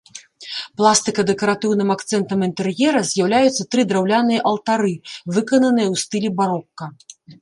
Пластыка-дэкаратыўным акцэнтам інтэр'ера з'яўляюцца тры драўляныя алтары, выкананыя ў стылі барока.